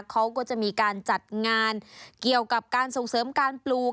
เขาก็จะมีการจัดงานเกี่ยวกับการส่งเสริมการปลูก